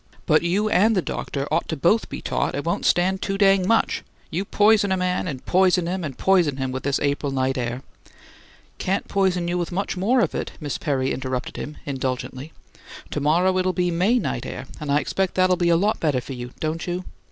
"But you and the doctor ought to both be taught it won't stand too dang much! You poison a man and poison and poison him with this April night air " "Can't poison you with much more of it," Miss Perry interrupted him, indulgently. "To morrow it'll be May night air, and I expect that'll be a lot better for you, don't you?